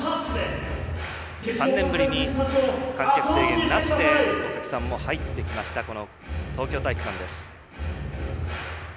３年ぶりに観客制限なしでお客さんも入ってきました東京体育館です。